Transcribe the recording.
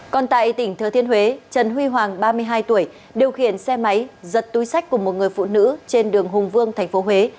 còn tại tỉnh thừa thiên huế trần huy hoàng ba mươi hai tuổi điều khiển xe máy giật túi sách của một người phụ nữ trên đường hùng vương tp huế